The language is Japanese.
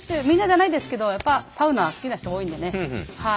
みんなじゃないですけどやっぱサウナは好きな人多いんでね。